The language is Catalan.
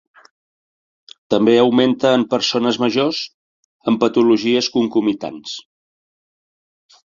També augmenta en persones majors amb patologies concomitants.